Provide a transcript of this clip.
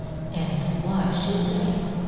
" And why fhould they .?